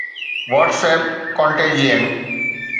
WhatsApp Contagion